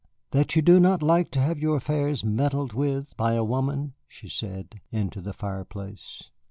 "That you do not like to have your affairs meddled with by a woman," she said, into the fireplace.